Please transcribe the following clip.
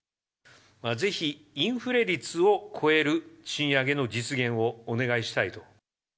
ぜひインフレ率を超える賃上げの実現をお願いしたいと。